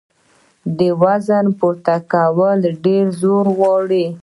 د وزن پورته کول ډېر زور غواړي.